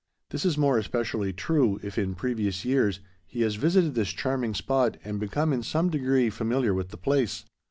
This is more especially true, if in previous years, he has visited this charming spot and become in some degree familiar with the place.